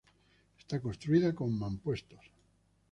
Está construida con mampuestos.